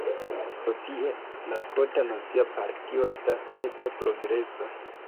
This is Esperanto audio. Socie, la Skota Nacia Partio estas ete progresa.